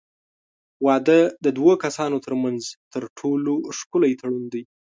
واده د دوو کسانو ترمنځ تر ټولو ښکلی تړون دی.